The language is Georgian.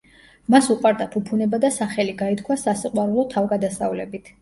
მას უყვარდა ფუფუნება და სახელი გაითქვა სასიყვარულო თავგადასავლებით.